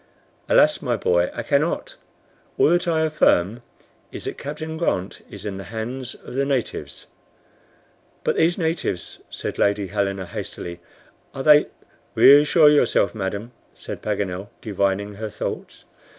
"Alas! my boy, I cannot. All that I affirm is, that Captain Grant is in the hands of the natives." "But these natives," said Lady Helena, hastily, "are they " "Reassure yourself, madam," said Paganel, divining her thoughts.